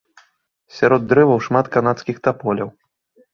Сярод дрэваў шмат канадскіх таполяў.